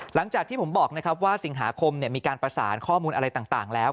หลังจากที่ผมบอกนะครับว่าสิงหาคมมีการประสานข้อมูลอะไรต่างแล้ว